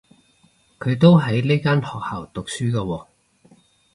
佢都喺呢間學校讀書㗎喎